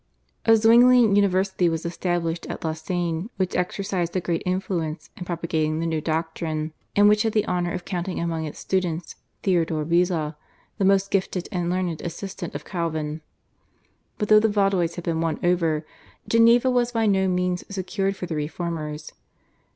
A Zwinglian university was established at Lausanne, which exercised a great influence in propagating the new doctrine, and which had the honour of counting among its students Theodore Beza the most gifted and learned assistant of Calvin. But though the Vaudois had been won over, Geneva was by no means secured for the reformers.